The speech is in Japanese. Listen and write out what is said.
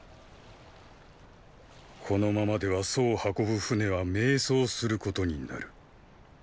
このままでは楚を運ぶ船は迷走することになる。